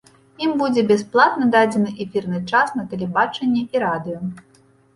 Ім будзе бясплатна дадзены эфірны час на тэлебачанні і радыё.